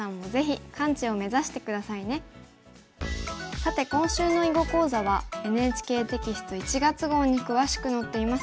さて今週の囲碁講座はＮＨＫテキスト１月号に詳しく載っています。